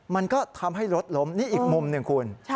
มันก็ทำให้รถล้มนี่อีกมุมหนึ่งคุณ